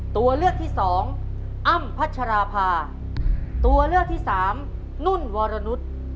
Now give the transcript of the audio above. ตัวเลือกที่สองอ้ำพัชราภาตัวเลือกที่สามนุ่นวรนุษย์